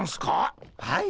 はい。